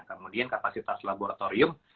kemudian kapasitas laboratorium